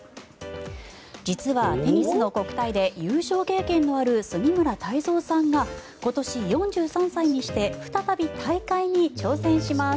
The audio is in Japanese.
実は、テニスの国体で優勝経験のある杉村太蔵さんが今年、４３歳にして再び大会に挑戦します。